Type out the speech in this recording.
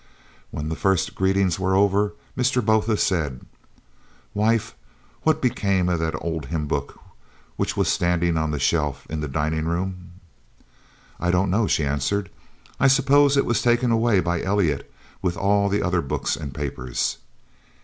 When the first greetings were over Mr. Botha said: "Wife, what became of that old hymn book which was standing on the shelf in the dining room?" "I don't know," she answered; "I suppose it was taken away by Elliot with all the other books and papers."